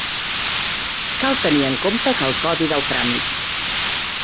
Cal tenir en compte que el codi del tràmit.